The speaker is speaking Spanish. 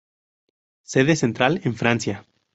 Sede central en Francia.